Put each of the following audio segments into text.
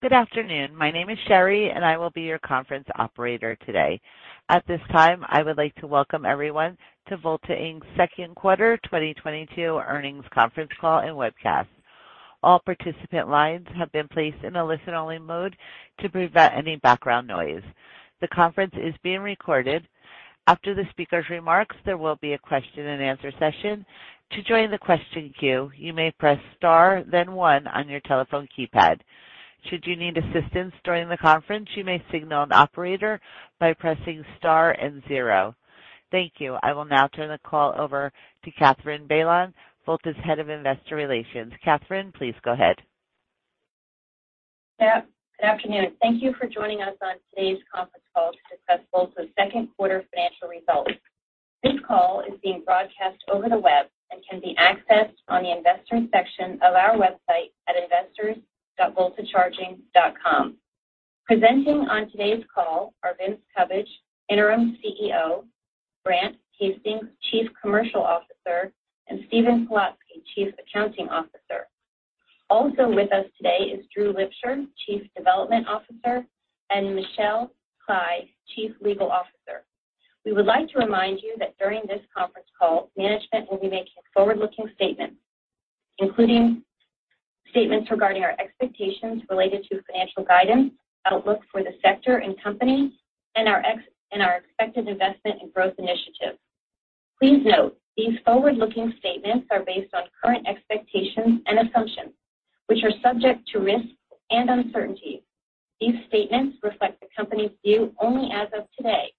Good afternoon. My name is Sherry, and I will be your conference operator today. At this time, I would like to welcome everyone to Volta Inc.'s Q2 2022 earnings conference call and webcast. All participant lines have been placed in a listen-only mode to prevent any background noise. The conference is being recorded. After the speaker's remarks, there will be a question-and-answer session. To join the question queue, you may press Star, then one on your telephone keypad. Should you need assistance during the conference, you may signal an operator by pressing Star and zero. Thank you. I will now turn the call over to Catherine Buan, Volta's Head of Investor Relations. Catherine, please go ahead. Yeah. Good afternoon. Thank you for joining us on today's conference call to discuss Volta's Q2 financial results. This call is being broadcast over the web and can be accessed on the investors section of our website at investors.voltacharging.com. Presenting on today's call are Vincent Cubbage, Interim CEO, Brandt Hastings, Chief Commercial Officer, and Stephen Pilatzke, Chief Accounting Officer. Also with us today is Drew Lipsher, Chief Development Officer, and Michelle Kley, Chief Legal Officer. We would like to remind you that during this conference call, management will be making forward-looking statements, including statements regarding our expectations related to financial guidance, outlook for the sector and company, and our expected investment and growth initiatives. Please note, these forward-looking statements are based on current expectations and assumptions, which are subject to risks and uncertainties. These statements reflect the company's view only as of today,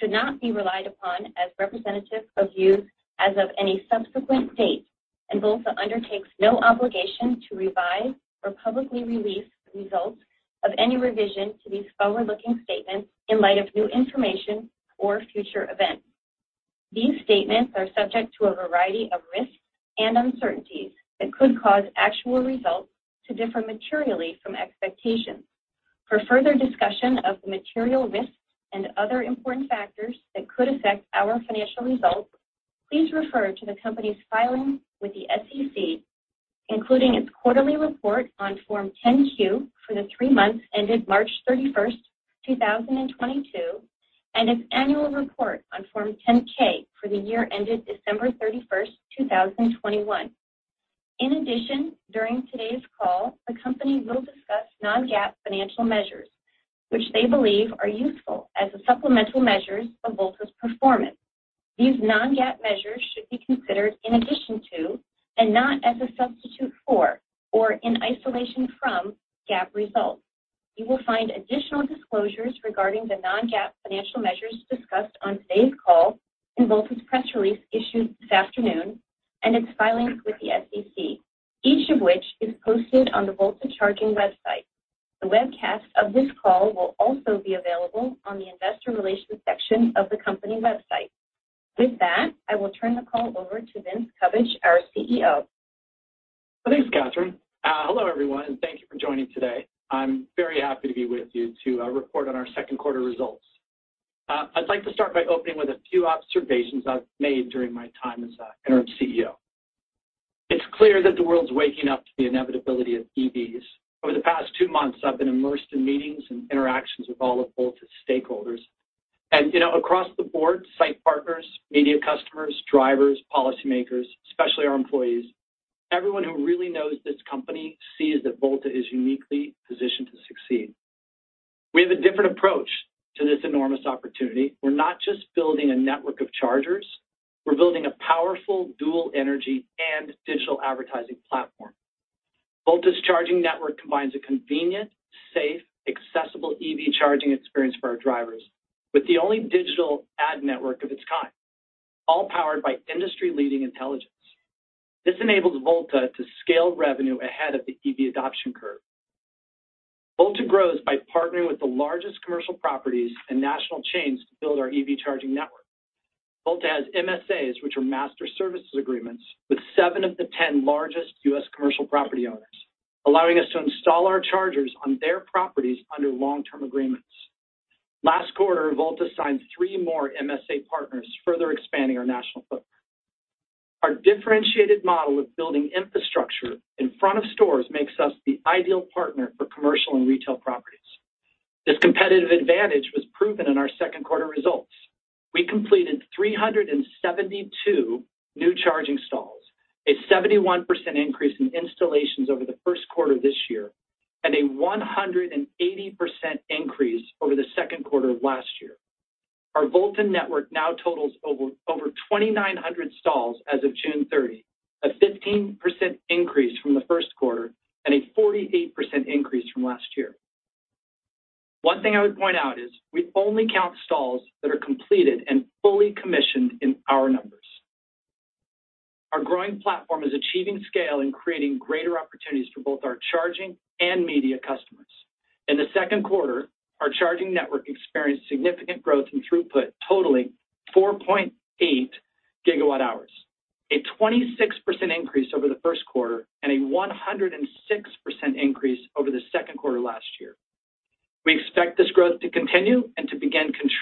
should not be relied upon as representative of views as of any subsequent date, and Volta undertakes no obligation to revise or publicly release results of any revision to these forward-looking statements in light of new information or future events. These statements are subject to a variety of risks and uncertainties that could cause actual results to differ materially from expectations. For further discussion of the material risks and other important factors that could affect our financial results, please refer to the company's filings with the SEC, including its quarterly report on Form 10-Q for the three months ended March 31, 2022, and its annual report on Form 10-K for the year ended December 31, 2021. In addition, during today's call, the company will discuss non-GAAP financial measures which they believe are useful as a supplemental measures of Volta's performance. These non-GAAP measures should be considered in addition to and not as a substitute for or in isolation from GAAP results. You will find additional disclosures regarding the non-GAAP financial measures discussed on today's call in Volta's press release issued this afternoon and its filings with the SEC, each of which is posted on the Volta Charging website. The webcast of this call will also be available on the investor relations section of the company website. With that, I will turn the call over to Vincent Cubbage, our CEO. Thanks, Catherine. Hello, everyone, and thank you for joining today. I'm very happy to be with you to report on our Q2 results. I'd like to start by opening with a few observations I've made during my time as interim CEO. It's clear that the world is waking up to the inevitability of EVs. Over the past two months, I've been immersed in meetings and interactions with all of Volta's stakeholders. You know, across the board, site partners, media customers, drivers, policymakers, especially our employees, everyone who really knows this company sees that Volta is uniquely positioned to succeed. We have a different approach to this enormous opportunity. We're not just building a network of chargers, we're building a powerful dual energy and digital advertising platform. Volta's charging network combines a convenient, safe, accessible EV charging experience for our drivers with the only digital ad network of its kind, all powered by industry-leading intelligence. This enables Volta to scale revenue ahead of the EV adoption curve. Volta grows by partnering with the largest commercial properties and national chains to build our EV charging network. Volta has MSAs, which are master services agreements, with seven of the ten largest U.S. commercial property owners, allowing us to install our chargers on their properties under long-term agreements. Last quarter, Volta signed three more MSA partners, further expanding our national footprint. Our differentiated model of building infrastructure in front of stores makes us the ideal partner for commercial and retail properties. This competitive advantage was proven in our Q2 results. We completed 372 new charging stalls, a 71% increase in installations over the this year, and a 180% increase over the Q2 of last year. Our Volta network now totals over 2,900 stalls as of June 30, a 15% increase from the and a 48% increase from last year. One thing I would point out is we only count stalls that are completed and fully commissioned in our numbers. Our growing platform is achieving scale and creating greater opportunities for both our charging and media customers. In the Q2, our charging network experienced significant growth in throughput, totaling 4.8 gigawatt hours, a 26% increase over the and a 106% increase over the Q2 last year.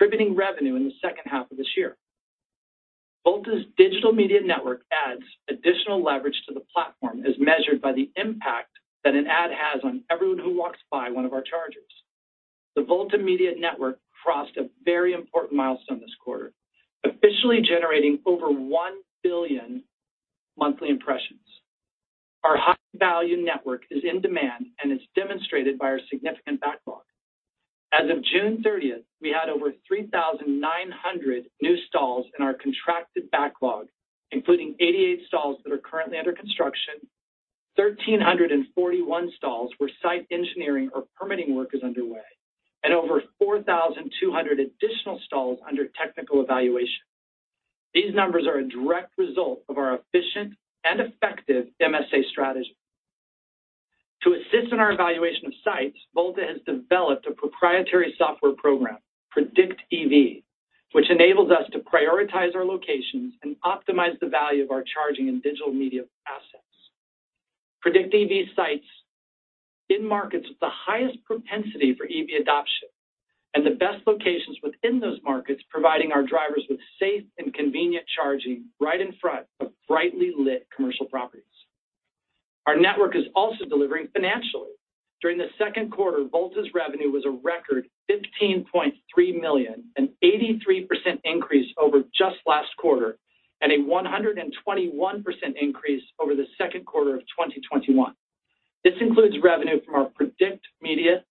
Driving revenue in the second half of this year. Volta's digital media network adds additional leverage to the platform as measured by the impact that an ad has on everyone who walks by one of our chargers. The Volta Media Network crossed a very important milestone this quarter, officially generating over 1 billion monthly impressions. Our high-value network is in demand and is demonstrated by our significant backlog. As of June 30, we had over 3,900 new stalls in our contracted backlog, including 88 stalls that are currently under construction, 1,341 stalls where site engineering or permitting work is underway, and over 4,200 additional stalls under technical evaluation. These numbers are a direct result of our efficient and effective MSA strategy. To assist in our evaluation of sites, Volta has developed a proprietary software program, PredictEV, which enables us to prioritize our locations and optimize the value of our charging and digital media assets. PredictEV sites in markets with the highest propensity for EV adoption and the best locations within those markets, providing our drivers with safe and convenient charging right in front of brightly lit commercial properties. Our network is also delivering financially. During the Q2, Volta's revenue was a record $15.3 million, an 83% increase over just last quarter and a 121% increase over the Q2 of 2021. This includes revenue from our Volta Media,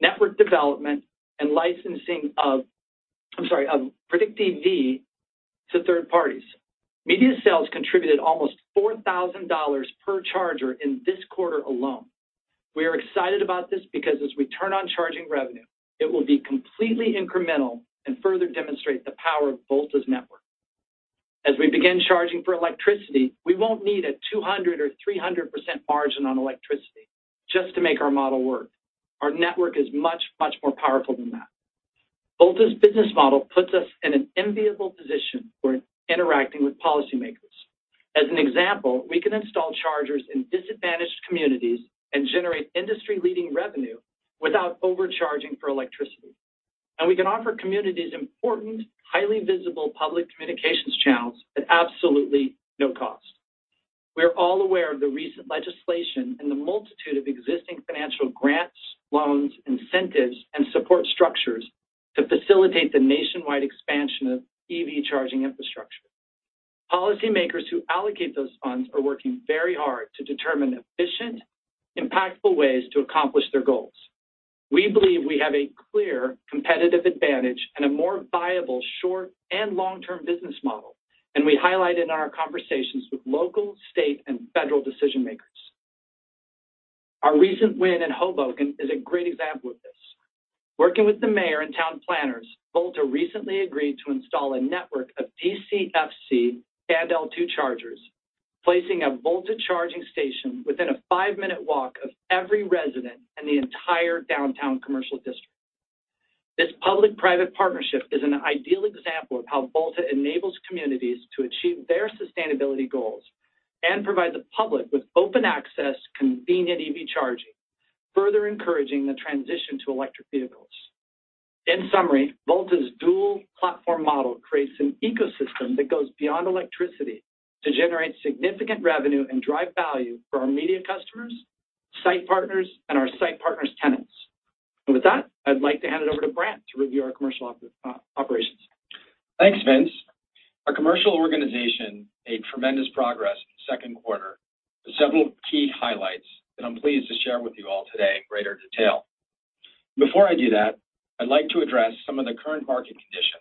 network development, and licensing of PredictEV to third parties. Media sales contributed almost $4,000 per charger in this quarter alone. We are excited about this because as we turn on charging revenue, it will be completely incremental and further demonstrate the power of Volta's network. As we begin charging for electricity, we won't need a 200% or 300% margin on electricity just to make our model work. Our network is much, much more powerful than that. Volta's business model puts us in an enviable position for interacting with policymakers. As an example, we can install chargers in disadvantaged communities and generate industry-leading revenue without overcharging for electricity. We can offer communities important, highly visible public communications channels at absolutely no cost. We are all aware of the recent legislation and the multitude of existing financial grants, loans, incentives, and support structures to facilitate the nationwide expansion of EV charging infrastructure. Policymakers who allocate those funds are working very hard to determine efficient, impactful ways to accomplish their goals. We believe we have a clear competitive advantage and a more viable short and long-term business model, and we highlight it in our conversations with local, state, and federal decision-makers. Our recent win in Hoboken is a great example of this. Working with the mayor and town planners, Volta recently agreed to install a network of DCFC and L2 chargers, placing a Volta charging station within a five-minute walk of every resident in the entire downtown commercial district. This public-private partnership is an ideal example of how Volta enables communities to achieve their sustainability goals and provide the public with open-access, convenient EV charging, further encouraging the transition to electric vehicles. In summary, Volta's dual platform model creates an ecosystem that goes beyond electricity to generate significant revenue and drive value for our media customers, site partners, and our site partners' tenants. With that, I'd like to hand it over to Brandt to review our commercial operations. Thanks, Vince. Our commercial organization made tremendous progress in the Q2 with several key highlights that I'm pleased to share with you all today in greater detail. Before I do that, I'd like to address some of the current market conditions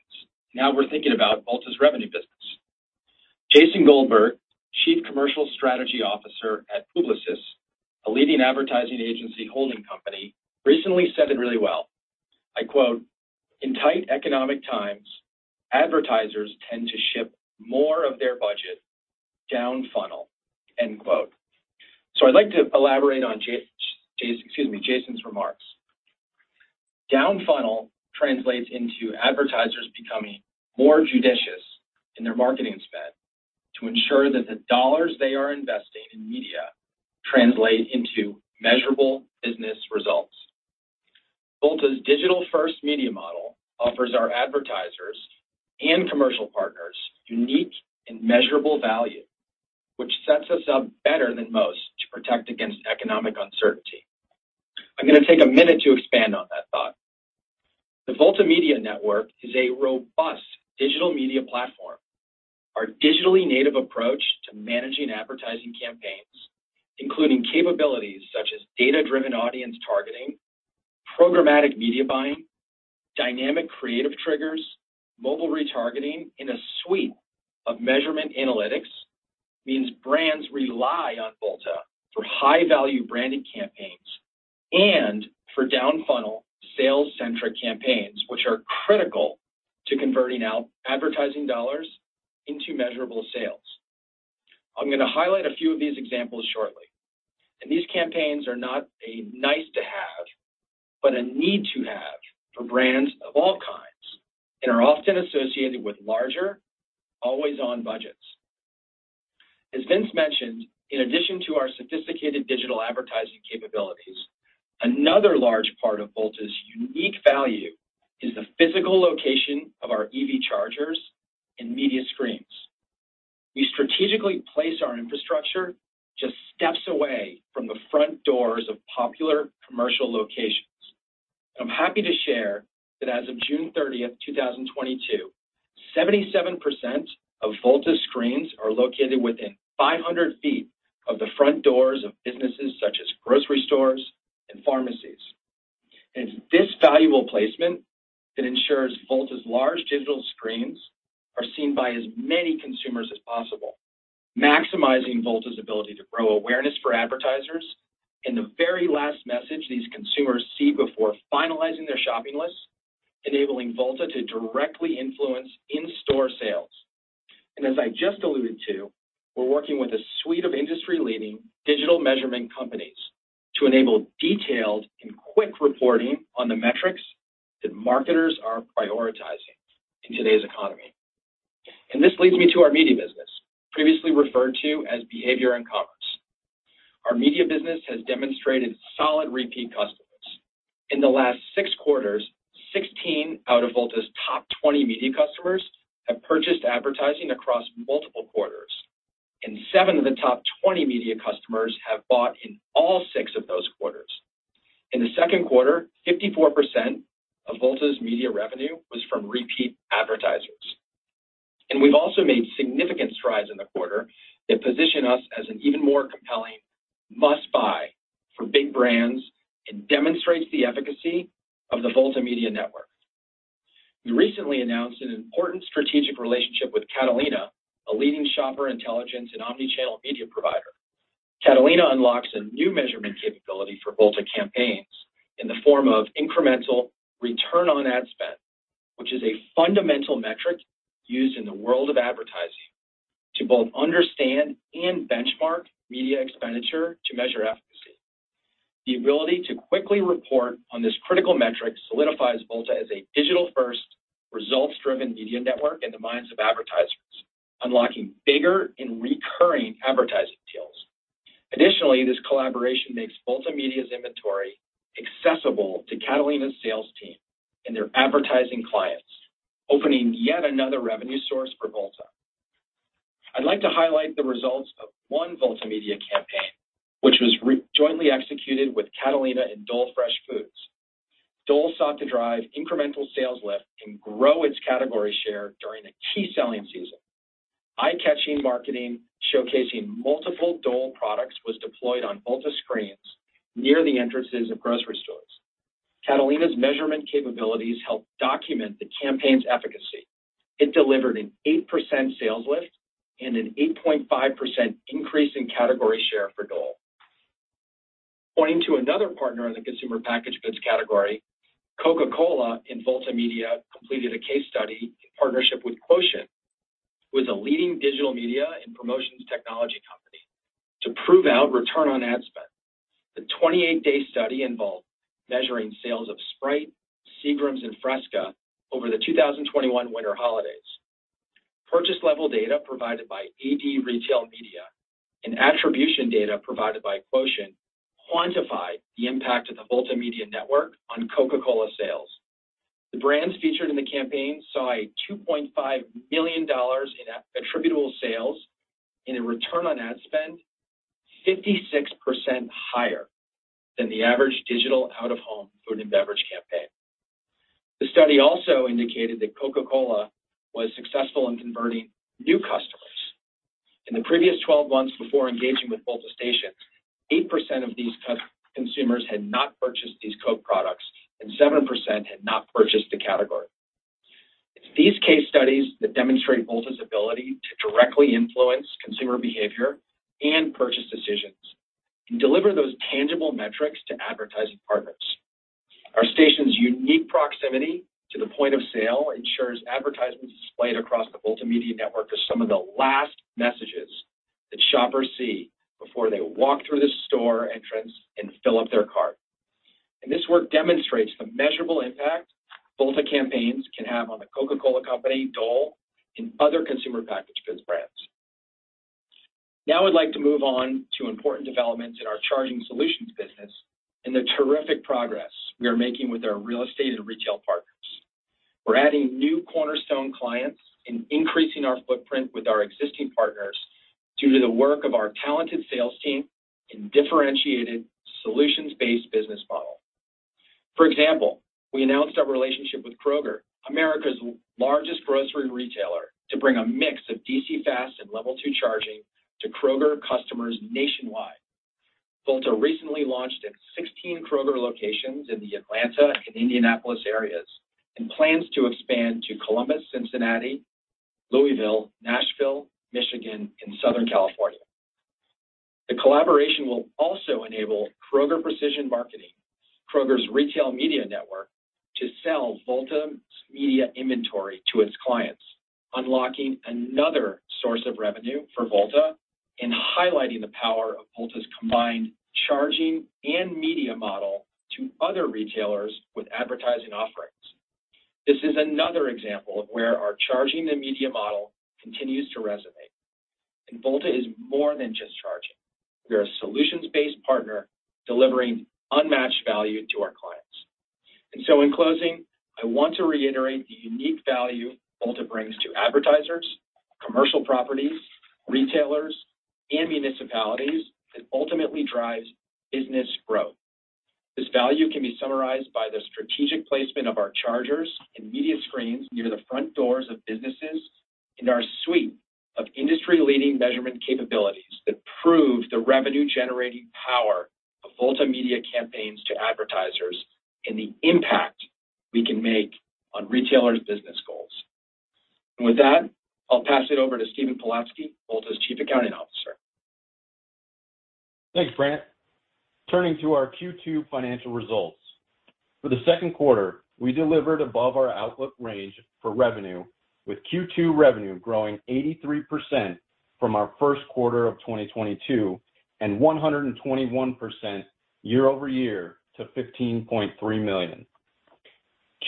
now we're thinking about Volta's revenue business. Jason Goldberg, Chief Commerce Strategy Officer at Publicis, a leading advertising agency holding company, recently said it really well. I quote, "In tight economic times, advertisers tend to ship more of their budget down funnel." End quote. I'd like to elaborate on Jason's remarks. Down funnel translates into advertisers becoming more judicious in their marketing spend to ensure that the dollars they are investing in media translate into measurable business results. Volta's digital-first media model offers our advertisers and commercial partners unique and measurable value, which sets us up better than most to protect against economic uncertainty. I'm gonna take a minute to expand on that thought. The Volta Media Network is a robust digital media platform. Our digitally native approach to managing advertising campaigns, including capabilities such as data-driven audience targeting, programmatic media buying, dynamic creative triggers, mobile retargeting, and a suite of measurement analytics, means brands rely on Volta for high-value branding campaigns and for down-funnel sales-centric campaigns, which are critical to converting out advertising dollars into measurable sales. I'm gonna highlight a few of these examples shortly. These campaigns are not a nice to have, but a need to have for brands of all kinds and are often associated with larger, always-on budgets. As Vince mentioned, in addition to our sophisticated digital advertising capabilities, another large part of Volta's unique value is the physical location of our EV chargers and media screens. We strategically place our infrastructure just steps away from the front doors of popular commercial locations. I'm happy to share that as of June 30, 2022, 77% of Volta screens are located within 500 feet of the front doors of businesses such as grocery stores and pharmacies. It's this valuable placement that ensures Volta's large digital screens are seen by as many consumers as possible, maximizing Volta's ability to grow awareness for advertisers and the very last message these consumers see before finalizing their shopping list, enabling Volta to directly influence in-store sales. As I just alluded to, we're working with a suite of industry-leading digital measurement companies to enable detailed and quick reporting on the metrics that marketers are prioritizing in today's economy. This leads me to our media business, previously referred to as behavior and commerce. Our media business has demonstrated solid repeat customers. In the last 6 quarters, 16 out of Volta's top 20 media customers have purchased advertising across multiple quarters, and 7 of the top 20 media customers have bought in all six of those quarters. In the Q2, 54% of Volta's media revenue was from repeat advertisers. We've also made significant strides in the quarter that position us as an even more compelling must-buy for big brands and demonstrates the efficacy of the Volta Media Network. We recently announced an important strategic relationship with Catalina, a leading shopper intelligence and omni-channel media provider. Catalina unlocks a new measurement capability for Volta campaigns in the form of incremental return on ad spend, which is a fundamental metric used in the world of advertising to both understand and benchmark media expenditure to measure efficacy. The ability to quickly report on this critical metric solidifies Volta as a digital-first, results-driven media network in the minds of advertisers, unlocking bigger and recurring advertising deals. Additionally, this collaboration makes Volta Media's inventory accessible to Catalina's sales team and their advertising clients, opening yet another revenue source for Volta. I'd like to highlight the results of one Volta Media campaign, which was jointly executed with Catalina and Dole Fresh Foods. Dole sought to drive incremental sales lift and grow its category share during a key selling season. Eye-catching marketing showcasing multiple Dole products was deployed on Volta screens near the entrances of grocery stores. Catalina's measurement capabilities helped document the campaign's efficacy. It delivered an 8% sales lift and an 8.5% increase in category share for Dole. Pointing to another partner in the consumer packaged goods category, Coca-Cola and Volta Media completed a case study in partnership with Quotient, who is a leading digital media and promotions technology company, to prove out return on ad spend. The 28-day study involved measuring sales of Sprite, Seagram's, and Fresca over the 2021 winter holidays. Purchase level data provided by A.D. Retail Media and attribution data provided by Quotient quantified the impact of the Volta Media network on Coca-Cola sales. The brands featured in the campaign saw $2.5 million in attributable sales and a return on ad spend 56% higher than the average digital out-of-home food and beverage campaign. The study also indicated that Coca-Cola was successful in converting new customers. In the previous twelve months before engaging with Volta stations, 8% of these consumers had not purchased these Coke products, and 7% had not purchased the category. It's these case studies that demonstrate Volta's ability to directly influence consumer behavior and purchase decisions and deliver those tangible metrics to advertising partners. Our stations' unique proximity to the point of sale ensures advertisements displayed across the Volta Media Network are some of the last messages that shoppers see before they walk through the store entrance and fill up their cart. This work demonstrates the measurable impact Volta campaigns can have on The Coca-Cola Company, Dole, and other consumer packaged goods brands. Now I'd like to move on to important developments in our charging solutions business and the terrific progress we are making with our real estate and retail partners. We're adding new cornerstone clients and increasing our footprint with our existing partners due to the work of our talented sales team and differentiated solutions-based business model. For example, we announced our relationship with Kroger, America's largest grocery retailer, to bring a mix of DC fast and Level two charging to Kroger customers nationwide. Volta recently launched at 16 Kroger locations in the Atlanta and Indianapolis areas and plans to expand to Columbus, Cincinnati, Louisville, Nashville, Michigan, and Southern California. The collaboration will also enable Kroger Precision Marketing, Kroger's retail media network, to sell Volta's media inventory to its clients, unlocking another source of revenue for Volta and highlighting the power of Volta's combined charging and media model to other retailers with advertising offerings. This is another example of where our charging and media model continues to resonate. Volta is more than just charging. We are a solutions-based partner delivering unmatched value to our clients. In closing, I want to reiterate the unique value Volta brings to advertisers, commercial properties, retailers, and municipalities that ultimately drives business growth. This value can be summarized by the strategic placement of our chargers and media screens near the front doors of businesses, and our suite of industry-leading measurement capabilities that prove the revenue-generating power of Volta Media campaigns to advertisers and the impact we can make on retailers' business goals. With that, I'll pass it over to Stephen Pilatzke, Volta's Chief Accounting Officer. Thanks, Brandt. Turning to our Q2 financial results. For the Q2, we delivered above our outlook range for revenue, with Q2 revenue growing 83% from our of 2022, and 121% year over year to $15.3 million.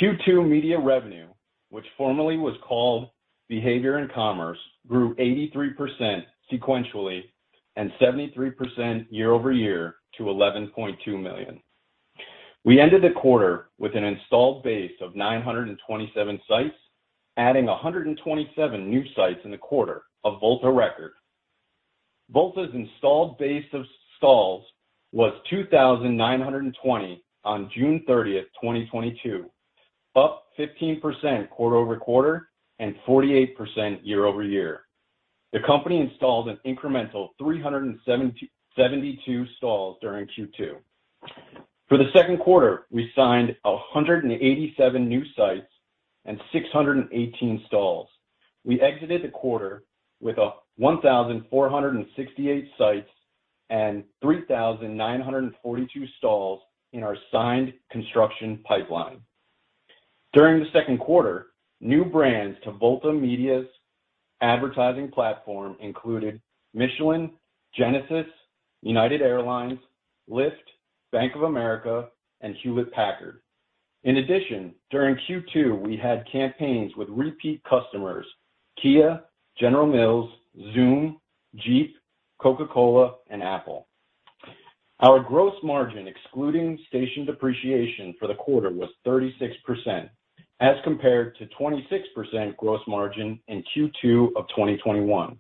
Q2 media revenue, which formerly was called behavior and commerce, grew 83% sequentially and 73% year over year to $11.2 million. We ended the quarter with an installed base of 927 sites, adding 127 new sites in the quarter, a Volta record. Volta's installed base of stalls was 2,920 on June 30, 2022, up 15% quarter over quarter and 48% year over year. The company installed an incremental 377 stalls during Q2. For the Q2, we signed 187 new sites and 618 stalls. We exited the quarter with 1,468 sites and 3,942 stalls in our signed construction pipeline. During the Q2, new brands to Volta Media's advertising platform included Michelin, Genesis, United Airlines, Lyft, Bank of America, and HP. In addition, during Q2, we had campaigns with repeat customers Kia, General Mills, Zoom, Jeep, Coca-Cola, and Apple. Our gross margin, excluding station depreciation for the quarter, was 36%, as compared to 26% gross margin in Q2 of 2021.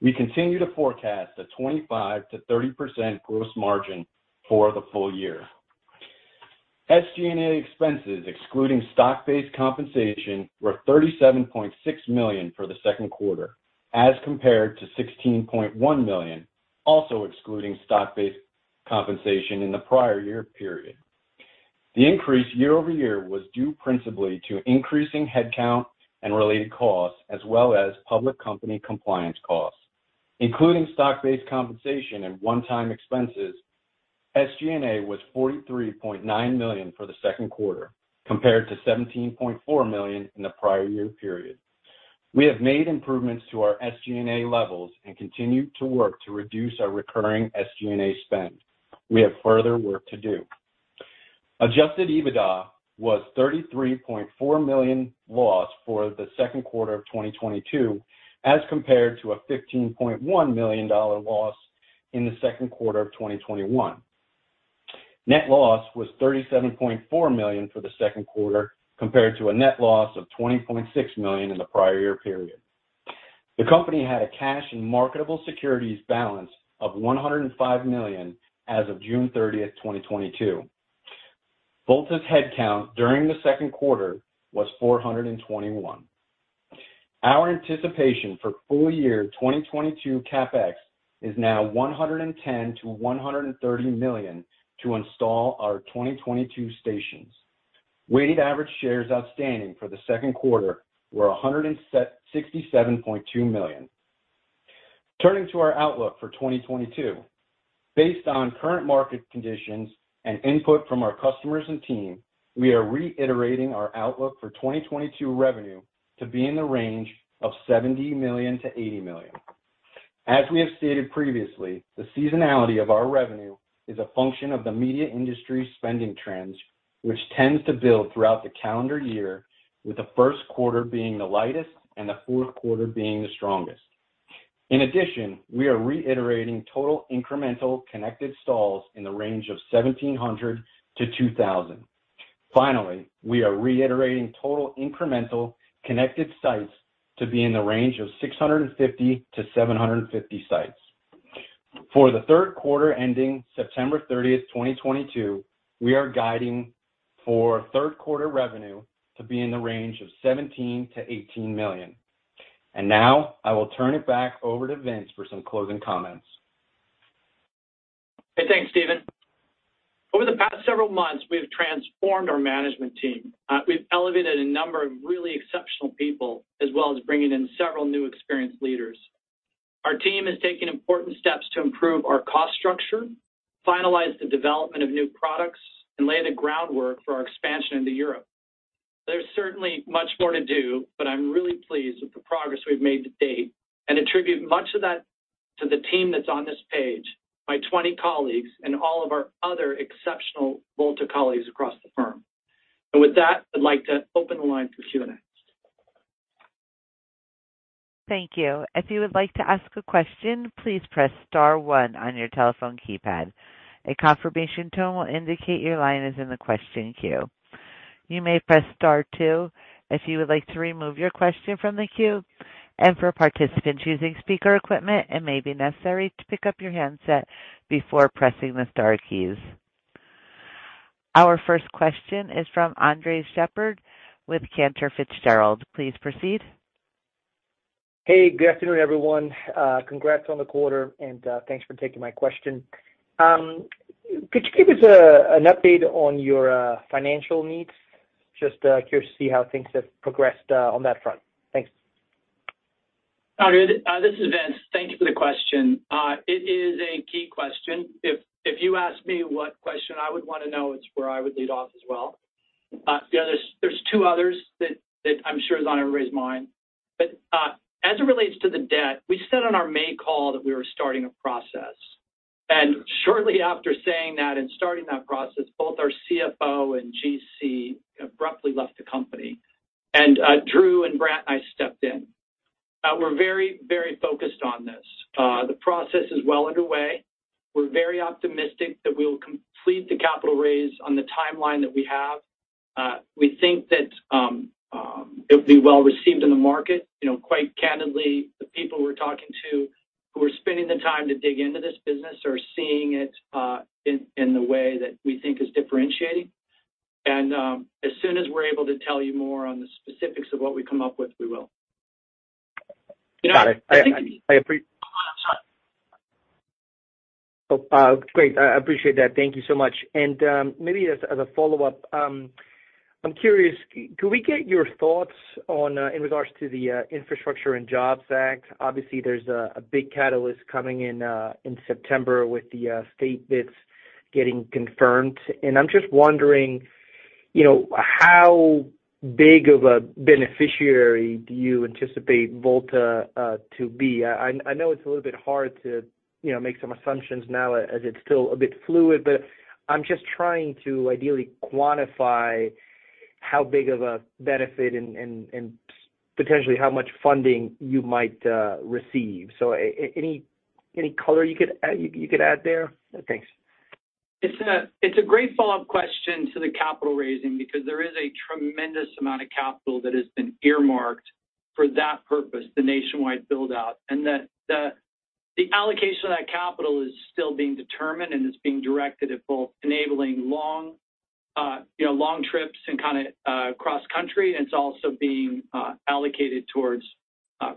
We continue to forecast a 25%-30% gross margin for the full year. SG&A expenses, excluding stock-based compensation, were $37.6 million for the Q2, as compared to $16.1 million, also excluding stock-based compensation in the prior year period. The increase year-over-year was due principally to increasing headcount and related costs, as well as public company compliance costs. Including stock-based compensation and one-time expenses, SG&A was $43.9 million for the Q2, compared to $17.4 million in the prior year period. We have made improvements to our SG&A levels and continue to work to reduce our recurring SG&A spend. We have further work to do. Adjusted EBITDA was $33.4 million loss for the Q2 of 2022, as compared to a $15.1 million loss in the Q2 of 2021. Net loss was $37.4 million for the Q2, compared to a net loss of $20.6 million in the prior year period. The company had a cash and marketable securities balance of $105 million as of June 30, 2022. Volta's headcount during the Q2 was 421. Our anticipation for full year 2022 CapEx is now $110 million-$130 million to install our 2022 stations. Weighted average shares outstanding for the Q2 were 167.2 million. Turning to our outlook for 2022. Based on current market conditions and input from our customers and team, we are reiterating our outlook for 2022 revenue to be in the range of $70 million-$80 million. As we have stated previously, the seasonality of our revenue is a function of the media industry spending trends, which tends to build throughout the calendar year, with the being the lightest and the Q4 being the strongest. In addition, we are reiterating total incremental connected stalls in the range of 1,700-2,000. Finally, we are reiterating total incremental connected sites to be in the range of 650-750 sites. For the Q3 ending September 30, 2022, we are guiding for Q3 revenue to be in the range of $17-$18 million. Now I will turn it back over to Vince for some closing comments. Hey, thanks, Stephen. Over the past several months, we've transformed our management team. We've elevated a number of really exceptional people, as well as bringing in several new experienced leaders. Our team has taken important steps to improve our cost structure, finalized the development of new products, and lay the groundwork for our expansion into Europe. There's certainly much more to do, but I'm really pleased with the progress we've made to date and attribute much of that To the team that's on this page, my 20 colleagues and all of our other exceptional Volta colleagues across the firm. With that, I'd like to open the line for Q&A. Thank you. If you would like to ask a question, please press star one on your telephone keypad. A confirmation tone will indicate your line is in the question queue. You may press star two if you would like to remove your question from the queue, and for participants using speaker equipment, it may be necessary to pick up your handset before pressing the star keys. Our first question is from Andres Sheppard with Cantor Fitzgerald. Please proceed. Hey, good afternoon, everyone. Congrats on the quarter, and thanks for taking my question. Could you give us an update on your financial needs? Just curious to see how things have progressed on that front. Thanks. All right. This is Vince. Thank you for the question. It is a key question. If you ask me what question I would want to know, it's where I would lead off as well. You know, there's two others that I'm sure is on everybody's mind. As it relates to the debt, we said on our May call that we were starting a process. Shortly after saying that and starting that process, both our CFO and GC abruptly left the company, and Drew and Brandt and I stepped in. We're very focused on this. The process is well underway. We're very optimistic that we will complete the capital raise on the timeline that we have. We think that it'll be well received in the market. You know, quite candidly, the people we're talking to who are spending the time to dig into this business are seeing it in the way that we think is differentiating. As soon as we're able to tell you more on the specifics of what we come up with, we will. Got it. I think. I appre- Sorry. Oh, great. I appreciate that. Thank you so much. Maybe as a follow-up, I'm curious, can we get your thoughts on, in regards to the Infrastructure and Jobs Act? Obviously, there's a big catalyst coming in in September with the state bids getting confirmed. I'm just wondering, you know, how big of a beneficiary do you anticipate Volta to be? I know it's a little bit hard to, you know, make some assumptions now as it's still a bit fluid, but I'm just trying to ideally quantify how big of a benefit and potentially how much funding you might receive. Any color you could add there? Thanks. It's a great follow-up question to the capital raising because there is a tremendous amount of capital that has been earmarked for that purpose, the nationwide build-out, and the allocation of that capital is still being determined, and it's being directed at both enabling long trips and kinda cross-country. It's also being allocated towards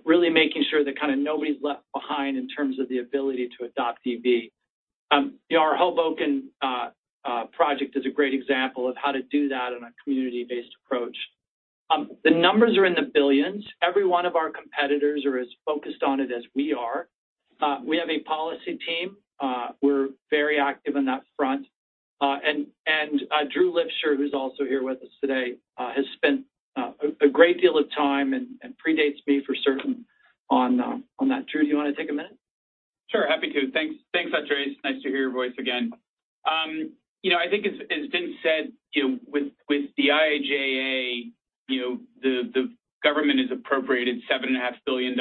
really making sure that kinda nobody's left behind in terms of the ability to adopt EV. Our Hoboken project is a great example of how to do that in a community-based approach. The numbers are in the $ billions. Every one of our competitors are as focused on it as we are. We have a policy team, we're very active on that front. Drew Lipsher, who's also here with us today, has spent a great deal of time and predates me for certain on that. Drew, do you wanna take a minute? Sure. Happy to. Thanks. Thanks, Andres. Nice to hear your voice again. You know, I think as Vince said, you know, with the IIJA, you know, the government has appropriated $7.5 billion. You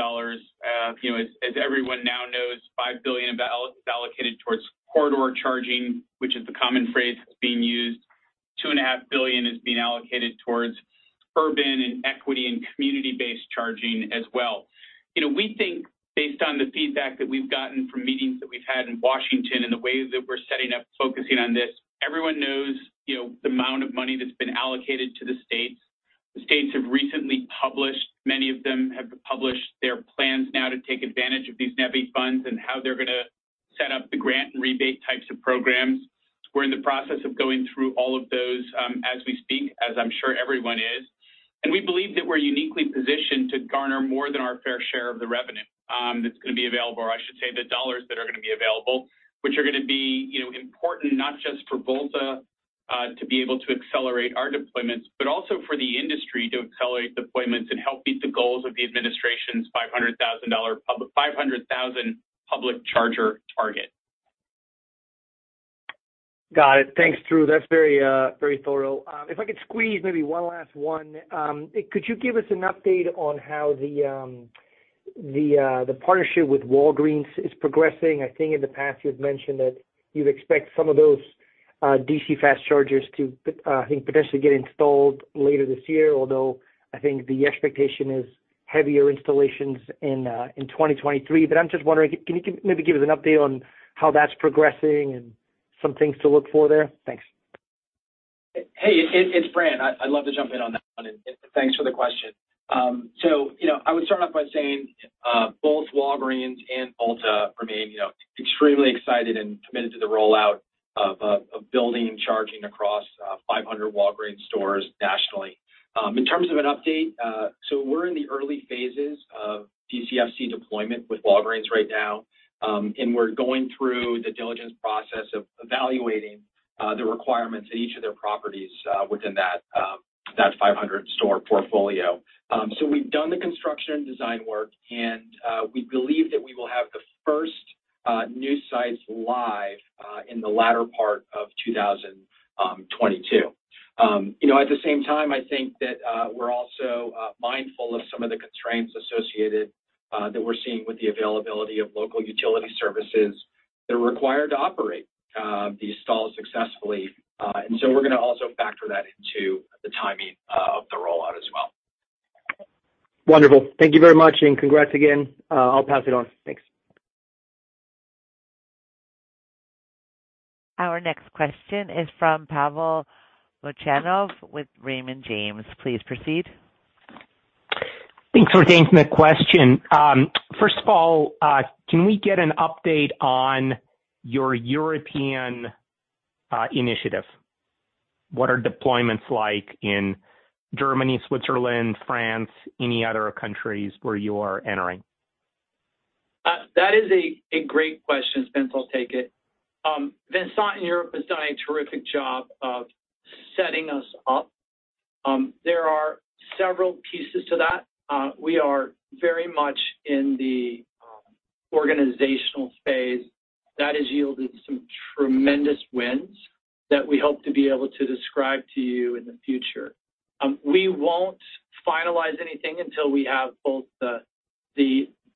know, as everyone now knows, $5 billion of that is allocated towards corridor charging, which is the common phrase that's being used. $2.5 billion is being allocated towards urban and equity and community-based charging as well. You know, we think based on the feedback that we've gotten from meetings that we've had in Washington and the way that we're setting up focusing on this, everyone knows, you know, the amount of money that's been allocated to the states. The states have recently published. Many of them have published their plans now to take advantage of these NEVI funds and how they're gonna set up the grant and rebate types of programs. We're in the process of going through all of those, as we speak, as I'm sure everyone is. We believe that we're uniquely positioned to garner more than our fair share of the revenue, that's gonna be available. Or I should say, the dollars that are gonna be available, which are gonna be, you know, important not just for Volta, to be able to accelerate our deployments, but also for the industry to accelerate deployments and help meet the goals of the administration's 500,000 public charger target. Got it. Thanks, Drew. That's very thorough. If I could squeeze maybe one last one. Could you give us an update on how the partnership with Walgreens is progressing? I think in the past you've mentioned that you'd expect some of those DC fast chargers to potentially get installed later this year, although I think the expectation is heavier installations in 2023. I'm just wondering, can you maybe give us an update on how that's progressing and some things to look for there? Thanks. Hey, it's Brandt. I'd love to jump in on that one, and thanks for the question. So, you know, I would start off by saying both Walgreens and Volta remain, you know, extremely excited and committed to the rollout of building and charging across 500 Walgreens stores nationally. In terms of an update, we're in the early phases of DCFC deployment with Walgreens right now, and we're going through the diligence process of evaluating the requirements at each of their properties within that. That 500 store portfolio. We've done the construction design work, and we believe that we will have the first new sites live in the latter part of 2022. You know, at the same time, I think that we're also mindful of some of the constraints associated that we're seeing with the availability of local utility services that are required to operate these stalls successfully. We're gonna also factor that into the timing of the rollout as well. Wonderful. Thank you very much, and congrats again. I'll pass it on. Thanks. Our next question is from Pavel Molchanov with Raymond James. Please proceed. Thanks for taking the question. First of all, can we get an update on your European initiative? What are deployments like in Germany, Switzerland, France, any other countries where you are entering? That is a great question, Vince. I'll take it. Vincent in Europe has done a terrific job of setting us up. There are several pieces to that. We are very much in the organizational phase that has yielded some tremendous wins that we hope to be able to describe to you in the future. We won't finalize anything until we have both the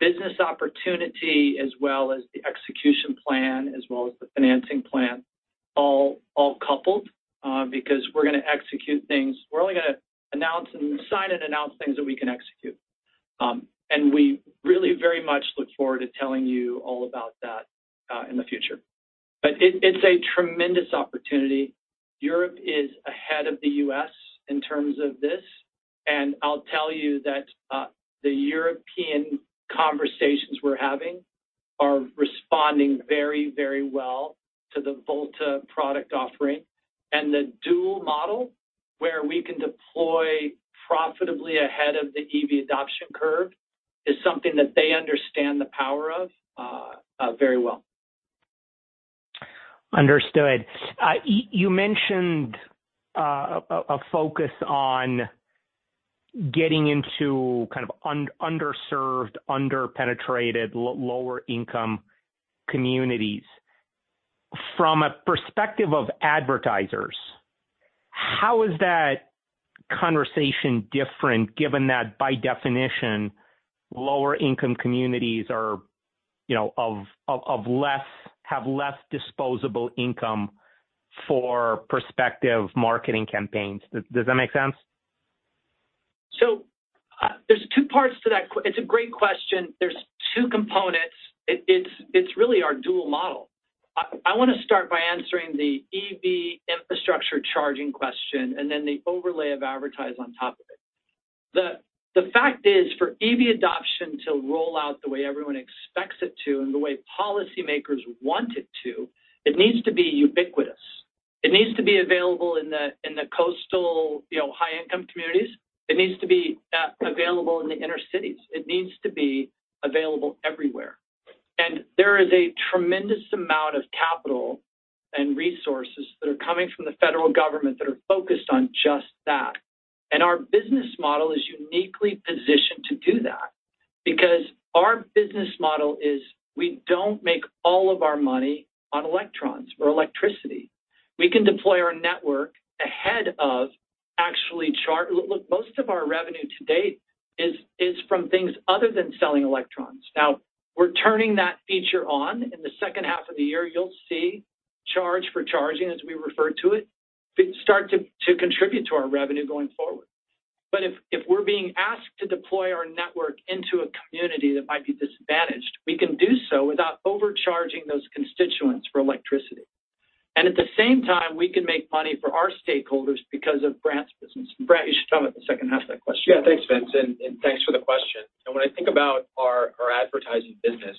business opportunity as well as the execution plan as well as the financing plan all coupled, because we're gonna execute things. We're only gonna announce and sign and announce things that we can execute. We really very much look forward to telling you all about that, in the future. It's a tremendous opportunity. Europe is ahead of the U.S. in terms of this. I'll tell you that, the European conversations we're having are responding very, very well to the Volta product offering. The dual model where we can deploy profitably ahead of the EV adoption curve is something that they understand the power of, very well. Understood. You mentioned a focus on getting into kind of underserved, under-penetrated lower income communities. From a perspective of advertisers, how is that conversation different given that by definition, lower income communities are, you know, have less disposable income for prospective marketing campaigns? Does that make sense? There's two parts to that. It's a great question. There's two components. It's really our dual model. I wanna start by answering the EV infrastructure charging question and then the overlay of advertising on top of it. The fact is for EV adoption to roll out the way everyone expects it to and the way policymakers want it to, it needs to be ubiquitous. It needs to be available in the coastal, you know, high income communities. It needs to be available in the inner cities. It needs to be available everywhere. There is a tremendous amount of capital and resources that are coming from the federal government that are focused on just that. Our business model is uniquely positioned to do that because our business model is we don't make all of our money on electrons or electricity. We can deploy our network ahead of actually. Look, most of our revenue to date is from things other than selling electrons. Now, we're turning that feature on. In the second half of the year, you'll see charge for charging, as we refer to it, start to contribute to our revenue going forward. If we're being asked to deploy our network into a community that might be disadvantaged, we can do so without overcharging those constituents for electricity. At the same time, we can make money for our stakeholders because of Brandt's business. Brandt, you should talk about the second half of that question. Yeah. Thanks, Vince, and thanks for the question. When I think about our advertising business,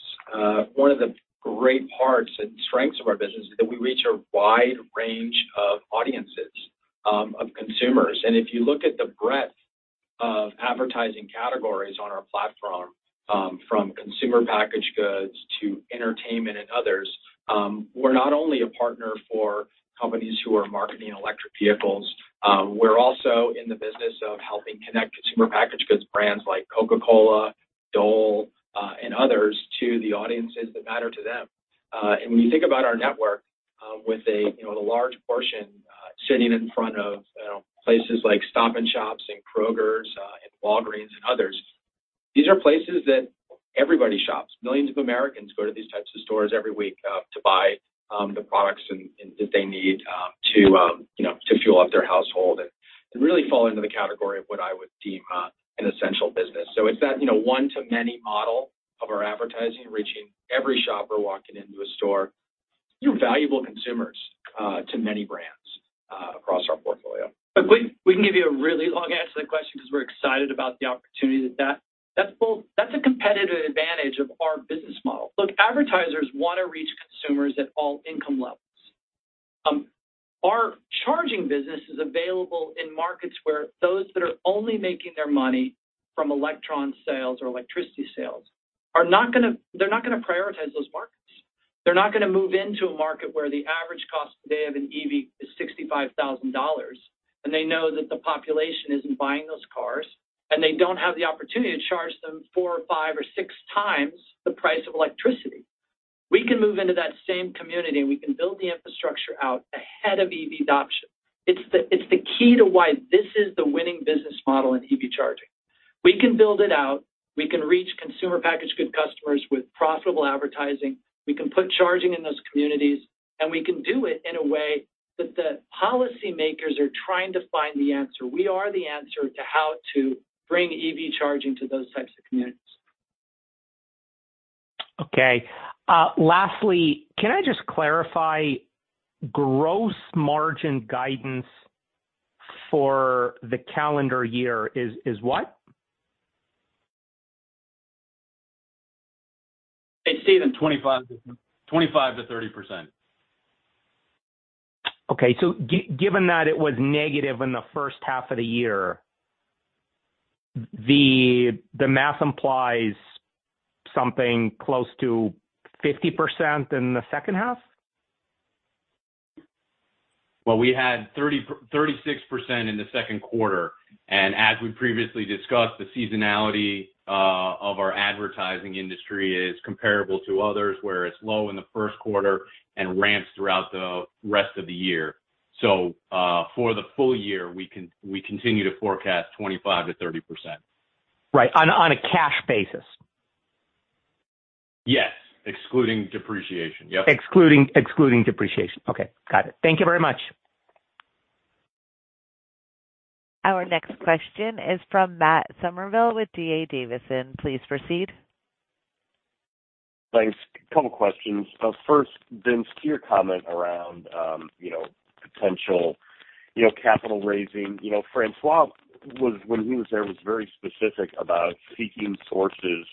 one of the great parts and strengths of our business is that we reach a wide range of audiences of consumers. If you look at the breadth of advertising categories on our platform, from consumer packaged goods to entertainment and others, we're not only a partner for companies who are marketing electric vehicles, we're also in the business of helping connect consumer packaged goods brands like Coca-Cola, Dole, and others to the audiences that matter to them. When you think about our network, with, you know, a large portion sitting in front of, you know, places like Stop & Shop and Kroger, and Walgreens and others, these are places that everybody shops. Millions of Americans go to these types of stores every week to buy the products that they need to you know to fuel up their household and really fall into the category of what I would deem an essential business. It's that you know one to many model of our advertising reaching every shopper walking into a store. You're valuable consumers to many brands across our portfolio. Look, we can give you a really long answer to that question 'cause we're excited about the opportunity. That's a competitive advantage of our business model. Look, advertisers wanna reach consumers at all income levels. Our charging business is available in markets where those that are only making their money from electron sales or electricity sales are not gonna prioritize those markets. They're not gonna move into a market where the average cost today of an EV is $65,000, and they know that the population isn't buying those cars, and they don't have the opportunity to charge them four or five or six times the price of electricity. We can move into that same community, and we can build the infrastructure out ahead of EV adoption. It's the key to why this is the winning business model in EV charging. We can build it out. We can reach consumer packaged goods customers with profitable advertising. We can put charging in those communities, and we can do it in a way that the policymakers are trying to find the answer. We are the answer to how to bring EV charging to those types of communities. Okay. Lastly, can I just clarify, gross margin guidance for the calendar year is what? It's Stephen. Twenty-five to, twenty-five to thirty percent. Given that it was negative in the first half of the year, the math implies something close to 50% in the second half? Well, we had 36% in the Q2. As we previously discussed, the seasonality of our advertising industry is comparable to others, where it's low in the and ramps throughout the rest of the year. For the full year, we continue to forecast 25%-30%. Right. On a cash basis? Yes. Excluding depreciation. Yep. Excluding depreciation. Okay. Got it. Thank you very much. Our next question is from Matthew Summerville with D.A. Davidson. Please proceed. Thanks. A couple questions. First, Vince, to your comment around, you know, potential, you know, capital raising. You know, Francois was, when he was there, very specific about seeking sources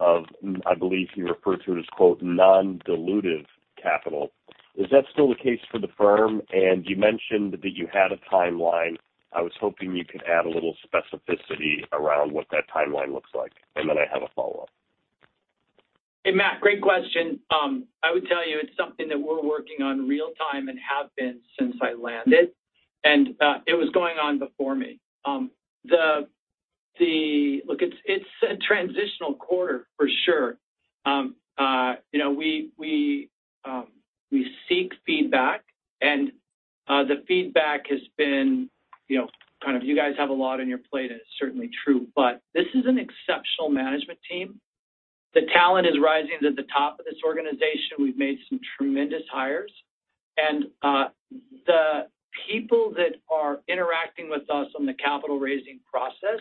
of, I believe he referred to it as, quote, "nondilutive capital." Is that still the case for the firm? You mentioned that you had a timeline. I was hoping you could add a little specificity around what that timeline looks like. Then I have a follow-up. Hey, Matt, great question. I would tell you it's something that we're working on real-time and have been since I landed, and it was going on before me. Look, it's a transitional quarter for sure. You know, we seek feedback, and the feedback has been, you know, kind of, you guys have a lot on your plate, and it's certainly true. This is an exceptional management team. The talent is rising to the top of this organization. We've made some tremendous hires. The people that are interacting with us on the capital raising process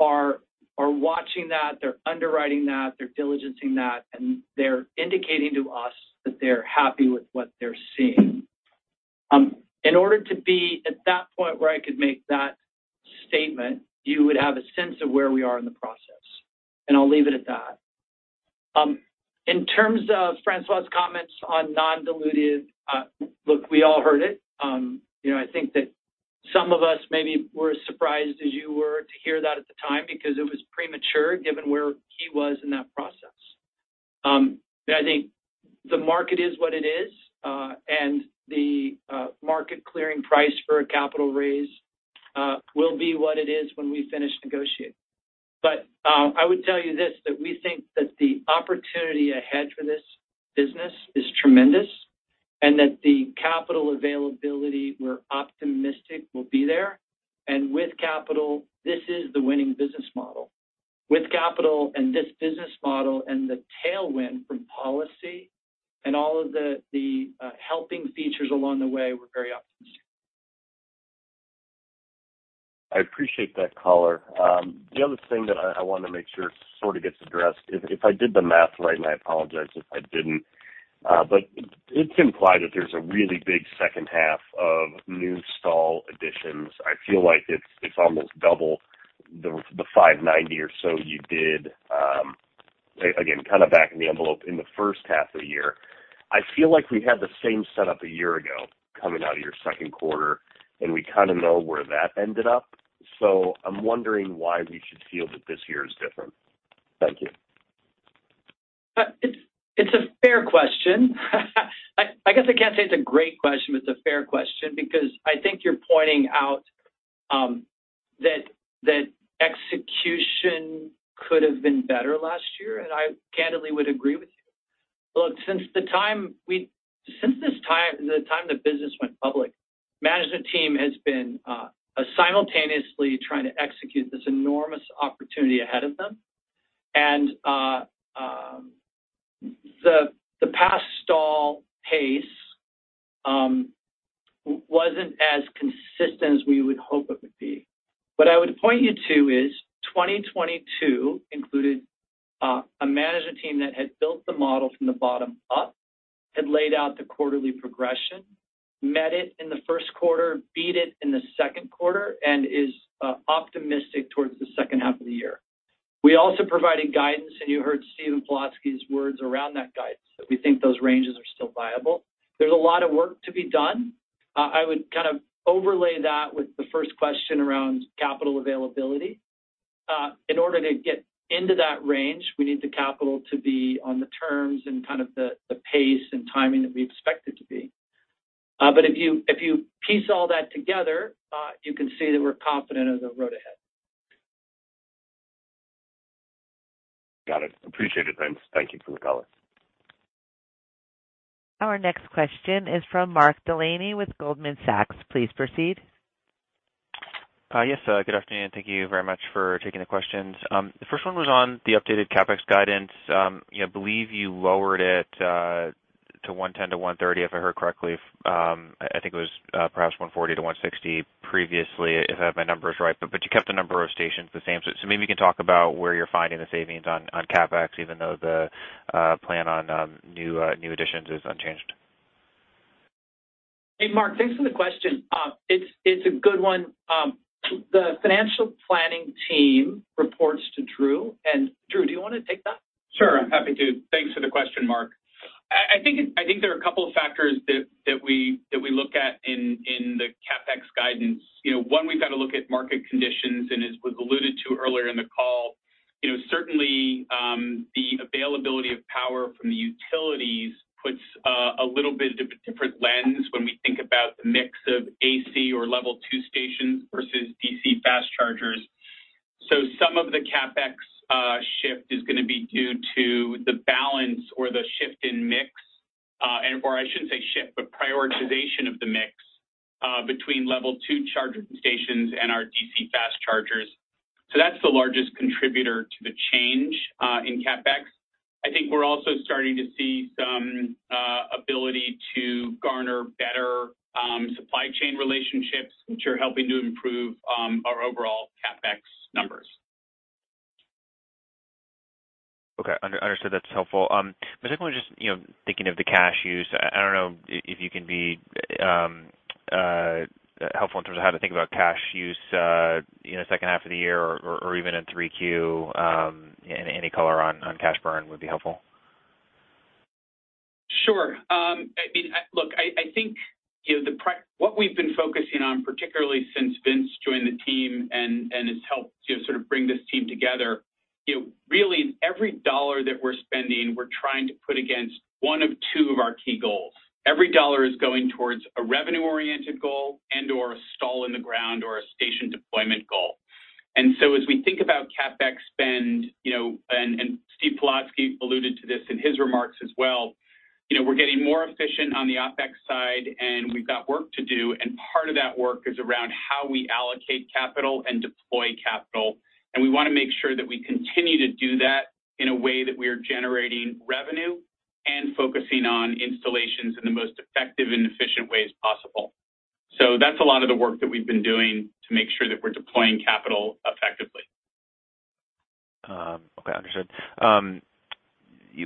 are watching that, they're underwriting that, they're diligencing that, and they're indicating to us that they're happy with what they're seeing. In order to be at that point where I could make that statement, you would have a sense of where we are in the process, and I'll leave it at that. In terms of Francois's comments on non-dilutive, look, we all heard it. You know, I think that some of us maybe were as surprised as you were to hear that at the time because it was premature given where he was in that process. I think the market is what it is, and the market clearing price for a capital raise will be what it is when we finish negotiating. I would tell you this, that we think that the opportunity ahead for this business is tremendous and that the capital availability we're optimistic will be there. With capital, this is the winning business model. With capital and this business model and the tailwind from policy and all of the helping features along the way, we're very optimistic. I appreciate that color. The other thing that I wanna make sure sorta gets addressed, if I did the math right, and I apologize if I didn't, but it's implied that there's a really big second half of new install additions. I feel like it's almost double the 590 or so you did, again, kinda back-of-the-envelope in the first half of the year. I feel like we had the same setup a year ago coming out of your Q2, and we kinda know where that ended up. I'm wondering why we should feel that this year is different. Thank you. It's a fair question. I guess I can't say it's a great question, but it's a fair question because I think you're pointing out that execution could have been better last year, and I candidly would agree with you. Look, since the time the business went public, management team has been simultaneously trying to execute this enormous opportunity ahead of them. The past install pace wasn't as consistent as we would hope it would be. What I would point you to is, 2022 included, a management team that had built the model from the bottom up, had laid out the quarterly progression, met it in the, beat it in the Q2, and is optimistic towards the second half of the year. We also provided guidance, and you heard Stephen Pilatzke's words around that guidance, that we think those ranges are still viable. There's a lot of work to be done. I would kind of overlay that with the first question around capital availability. In order to get into that range, we need the capital to be on the terms and kind of the pace and timing that we expect it to be. If you piece all that together, you can see that we're confident of the road ahead. Got it. Appreciate it, Vince. Thank you for the call. Our next question is from Mark Delaney with Goldman Sachs. Please proceed. Yes. Good afternoon, and thank you very much for taking the questions. The first one was on the updated CapEx guidance. You know, I believe you lowered it to $110-$130, if I heard correctly. I think it was perhaps $140-$160 previously, if I have my numbers right. You kept the number of stations the same. Maybe you can talk about where you're finding the savings on CapEx, even though the plan on new additions is unchanged. Hey, Mark, thanks for the question. It's a good one. The financial planning team reports to Drew. Drew, do you wanna take that? Sure, I'm happy to. Thanks for the question, Mark. I think there are a couple of factors that we look at in the CapEx guidance. You know, one, we've got to look at market conditions, and as was alluded to earlier in the call, you know, certainly, the availability of power from the utilities puts a little bit of a different lens when we think about the mix of AC or Level two stations versus DC fast chargers. So some of the CapEx shift is gonna be due to the balance or the shift in mix, and/or I shouldn't say shift, but prioritization of the mix between Level two charger stations and our DC fast chargers. So that's the largest contributor to the change in CapEx. I think we're also starting to see some ability to garner better supply chain relationships, which are helping to improve our overall CapEx numbers. Okay. Understood. That's helpful. The second one, just, you know, thinking of the cash use, I don't know if you can be helpful in terms of how to think about cash use, you know, second half of the year or even in 3Q, any color on cash burn would be helpful. Sure. I mean, look, I think, you know, what we've been focusing on, particularly since Vince joined the team and has helped to sort of bring this team together, you know, really every dollar that we're spending, we're trying to put against one of two of our key goals. Every dollar is going towards a revenue-oriented goal and/or a steel in the ground or a station deployment goal. As we think about CapEx spend, you know, and Stephen Pilatzke alluded to this in his remarks as well, you know, we're getting more efficient on the OpEx side, and we've got work to do, and part of that work is around how we allocate capital and deploy capital. We wanna make sure that we continue to do that in a way that we are generating revenue and focusing on installations in the most effective and efficient ways possible. That's a lot of the work that we've been doing to make sure that we're deploying capital effectively. Okay, understood.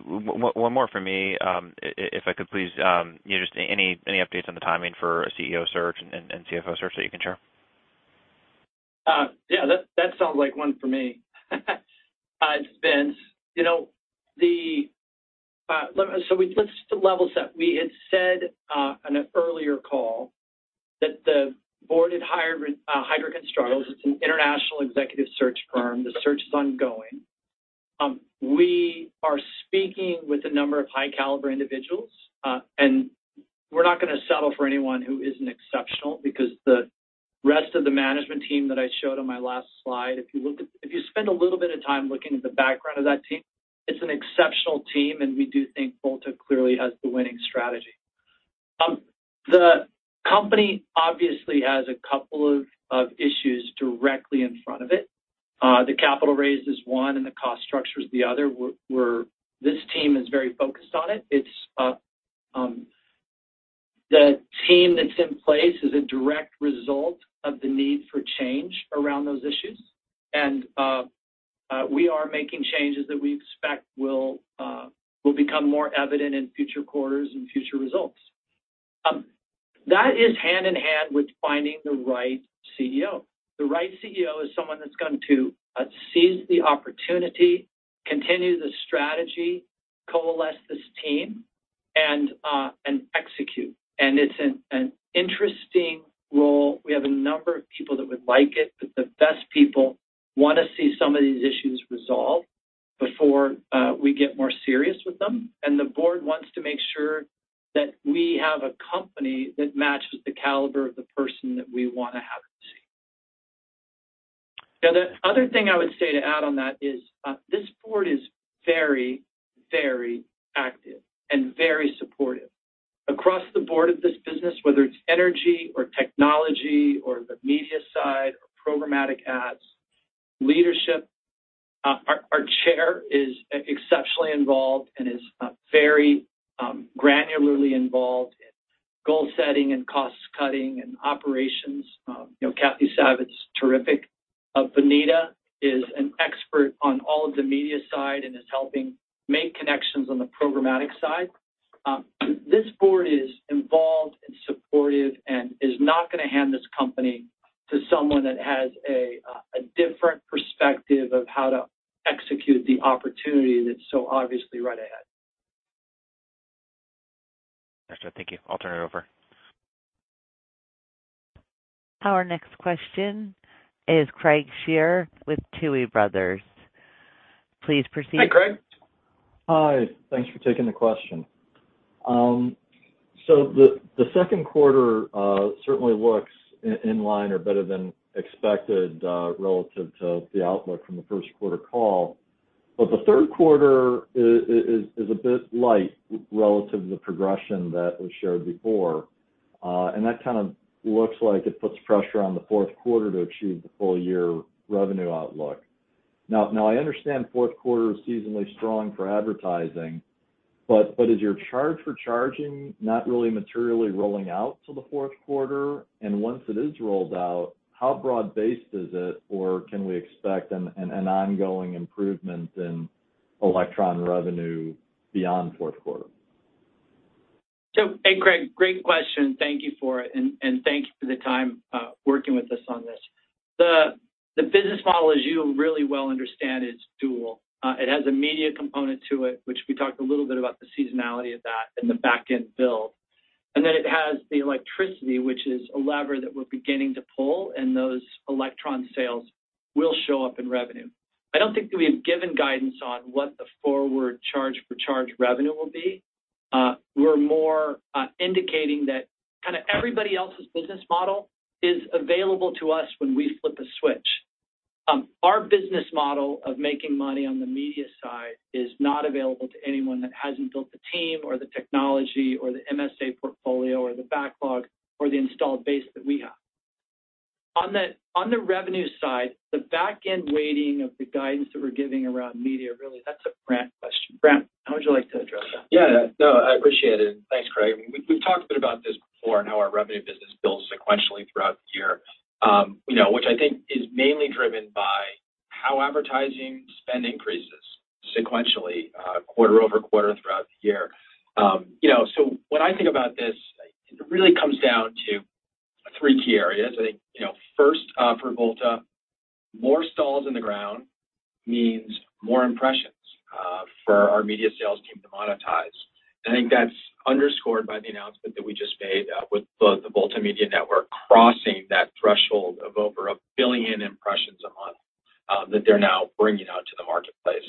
One more from me, if I could please. You know, just any updates on the timing for a CEO search and CFO search that you can share? Yeah, that sounds like one for me. It's Vince Cubbage. You know, let's just level set. We had said on an earlier call that the board had hired Heidrick & Struggles. It's an international executive search firm. The search is ongoing. We are speaking with a number of high caliber individuals, and we're not gonna settle for anyone who isn't exceptional because the rest of the management team that I showed on my last slide, if you look at it. If you spend a little bit of time looking at the background of that team, it's an exceptional team, and we do think Volta clearly has the winning strategy. The company obviously has a couple of issues directly in front of it. The capital raise is one, and the cost structure is the other. We're This team is very focused on it. The team that's in place is a direct result of the need for change around those issues, and we are making changes that we expect will become more evident in future quarters and future results. That is hand in hand with finding the right CEO. The right CEO is someone that's going to seize the opportunity, continue the strategy, coalesce this team, and execute. It's an interesting role. We have a number of people that would like it, but the best people wanna see some of these issues resolved before we get more serious with them. The board wants to make sure that we have a company that matches the caliber of the person that we wanna have at CEO. Now, the other thing I would say to add on that is, this board is very, very active and very supportive. Across the board of this business, whether it's energy or technology or the media side or programmatic ads, leadership, our chair is exceptionally involved and is very granularly involved in goal setting and cost cutting and operations. You know, Kathy Savitt's terrific. Bonita is an expert on all of the media side and is helping make connections on the programmatic side. This board is involved and supportive and is not gonna hand this company to someone that has a different perspective of how to execute the opportunity that's so obviously right ahead. Excellent. Thank you. I'll turn it over. Our next question is Craig Shere with Tuohy Brothers. Please proceed. Hi, Craig. Hi. Thanks for taking the question. The Q2 certainly looks in line or better than expected relative to the outlook from the call. The Q3 is a bit light relative to the progression that was shared before. That kind of looks like it puts pressure on the Q4 to achieve the full year revenue outlook. Now I understand Q4 is seasonally strong for advertising, but is your charge for charging not really materially rolling out till the Q4? And once it is rolled out, how broad-based is it, or can we expect an ongoing improvement in electron revenue beyond Q4? Hey Craig, great question. Thank you for it. Thank you for the time working with us on this. The business model, as you really well understand, is dual. It has a media component to it, which we talked a little bit about the seasonality of that and the back-end build. It has the electricity, which is a lever that we're beginning to pull, and those electron sales will show up in revenue. I don't think that we have given guidance on what the forward charge for charge revenue will be. We're more indicating that kinda everybody else's business model is available to us when we flip a switch. Our business model of making money on the media side is not available to anyone that hasn't built the team or the technology or the MSA portfolio or the backlog or the installed base that we have. On the revenue side, the back-end weighting of the guidance that we're giving around media, really, that's a Brandt question. Brandt, how would you like to address that? Yeah. No, I appreciate it. Thanks, Craig. We've talked a bit about this before and how our revenue business builds sequentially throughout the year. You know, which I think is mainly driven by how advertising spend increases sequentially, quarter-over-quarter throughout the year. You know, so when I think about this, it really comes down to three key areas. I think, you know, first, for Volta, more stalls in the ground means more impressions for our media sales team to monetize. I think that's underscored by the announcement that we just made with the Volta Media Network crossing that threshold of over 1 billion impressions a month that they're now bringing out to the marketplace.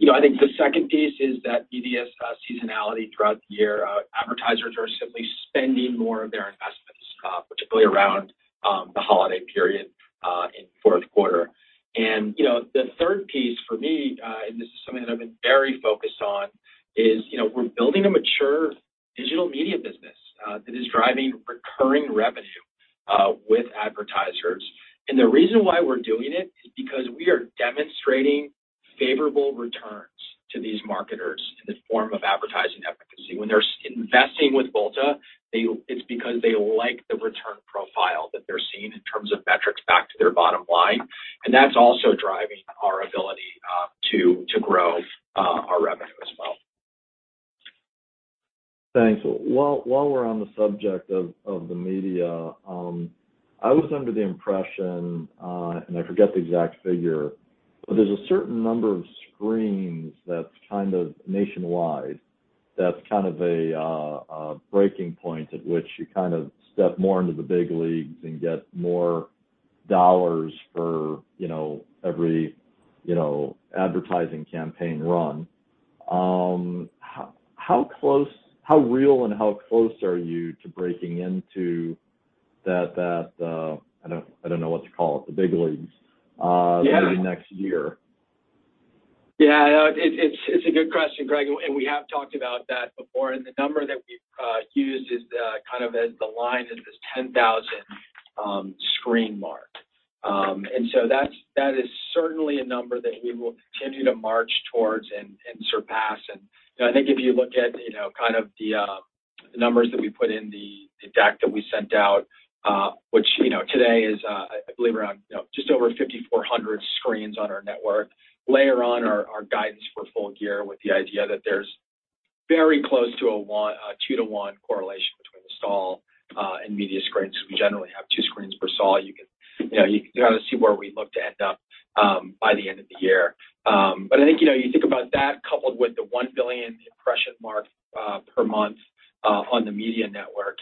You know, I think the second piece is that ad spend seasonality throughout the year, advertisers are simply spending more of their investments, particularly around the holiday period in Q4. You know, the third piece for me, and this is something that I've been very focused on, is, you know, we're building a mature digital media business that is driving recurring revenue with advertisers. The reason why we're doing it is because we are demonstrating favorable returns to these marketers in the form of advertising efficacy. When they're investing with Volta, it's because they like the return profile that they're seeing in terms of metrics back to their bottom line. That's also driving our ability to grow our revenue as well. Thanks. While we're on the subject of the media, I was under the impression, and I forget the exact figure, but there's a certain number of screens that's kind of nationwide that's kind of a breaking point at which you kind of step more into the big leagues and get more dollars for, you know, every, you know, advertising campaign run. How real and how close are you to breaking into that, I don't know what to call it, the big leagues? Yeah. Maybe next year? Yeah. No, it's a good question, Craig. We have talked about that before. The number that we've used is kind of as the line is this 10,000 screen mark. That is certainly a number that we will continue to march towards and surpass. You know, I think if you look at you know kind of the numbers that we put in the deck that we sent out, which you know today is I believe around you know just over 5,400 screens on our network. Layer on our guidance for full year with the idea that there's very close to a two-to-one correlation between install and media screens. We generally have two screens per stall. You can. You know, you can kinda see where we look to end up by the end of the year. I think, you know, you think about that coupled with the 1 billion impression mark per month on the media network.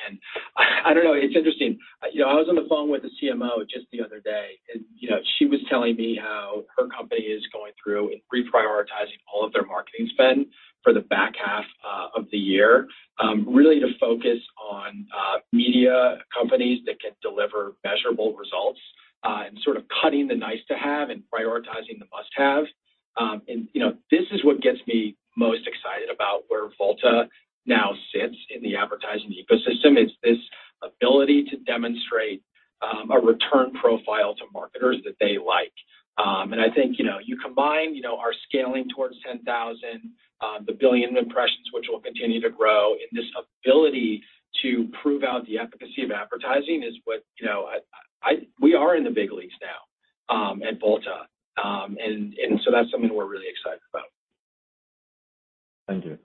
I don't know, it's interesting. You know, I was on the phone with a CMO just the other day and, you know, she was telling me how her company is going through and reprioritizing all of their marketing spend for the back half of the year really to focus on media companies that can deliver measurable results and sort of cutting the nice to have and prioritizing the must-have. You know, this is what gets me most excited about where Volta now sits in the advertising ecosystem. It's this ability to demonstrate a return profile to marketers that they like. I think, you know, you combine, you know, our scaling towards 10,000, the billion impressions, which will continue to grow, and this ability to prove out the efficacy of advertising is what, you know, we are in the big leagues now at Volta. So that's something we're really excited about. Thank you.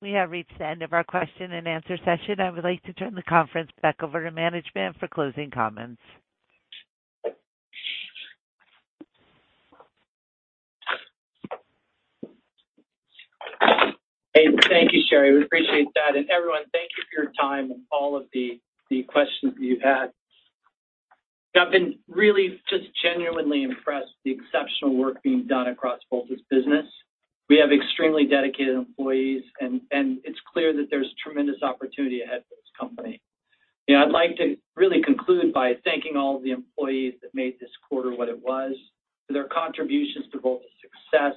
We have reached the end of our question and answer session. I would like to turn the conference back over to management for closing comments. Hey, thank you, Sherry. We appreciate that. Everyone, thank you for your time and all of the questions that you've had. I've been really just genuinely impressed with the exceptional work being done across Volta's business. We have extremely dedicated employees and it's clear that there's tremendous opportunity ahead for this company. You know, I'd like to really conclude by thanking all of the employees that made this quarter what it was, for their contributions to Volta's success,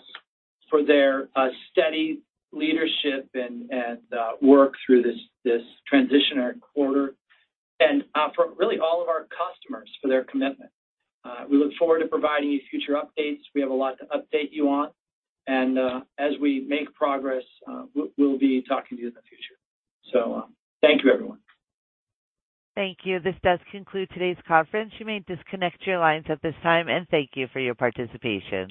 for their steady leadership and work through this transitionary quarter, and for really all of our customers for their commitment. We look forward to providing you future updates. We have a lot to update you on. As we make progress, we'll be talking to you in the future. Thank you, everyone. Thank you. This does conclude today's conference. You may disconnect your lines at this time, and thank you for your participation.